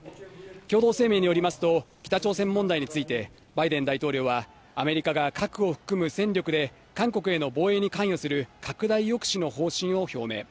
共同声明によりますと、北朝鮮問題について、バイデン大統領は、アメリカが核を含む戦力で韓国への防衛に関与する拡大抑止の方針を表明。